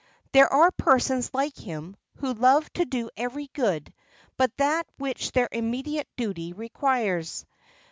There are persons like him, who love to do every good but that which their immediate duty requires.